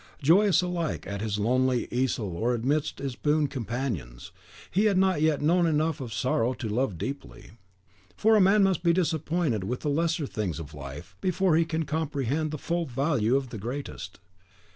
Joyous alike at his lonely easel or amidst his boon companions, he had not yet known enough of sorrow to love deeply. For man must be disappointed with the lesser things of life before he can comprehend the full value of the greatest.